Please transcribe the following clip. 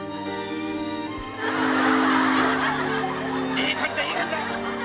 いい感じだいい感じだ！